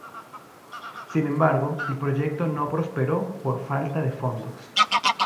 Sin embargo, el proyecto no prosperó por falta de fondos.